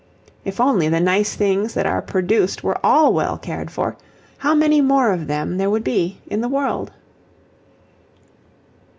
If only the nice things that are produced were all well cared for, how many more of them there would be in the world!